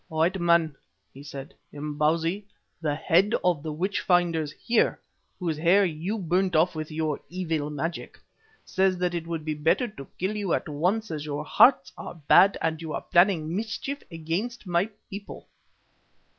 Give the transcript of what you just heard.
"White men," he said, "Imbozwi, the head of the witch finders here, whose hair you burnt off by your evil magic, says that it would be better to kill you at once as your hearts are bad and you are planning mischief against my people.